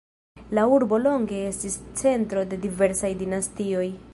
La urbo longe estis centro de diversaj dinastioj.